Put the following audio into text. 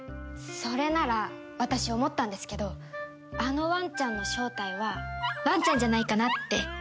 それなら私思ったんですけどあのワンちゃんの正体はワンちゃんじゃないかなって。